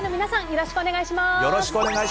よろしくお願いします。